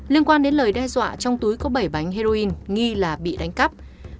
liên quan đến lời đe dọa trong túi có bảy bánh heroin nghi là bị đánh cắp